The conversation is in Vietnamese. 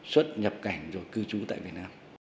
xuất nhập cảnh rồi cư trú tại việt nam